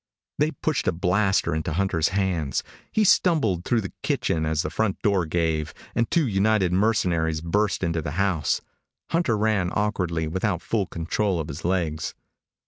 They pushed a blaster into Hunter's hands. He stumbled through the kitchen as the front door gave and two United mercenaries burst into the house. Hunter ran awkwardly, without full control of his legs.